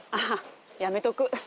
やめとく。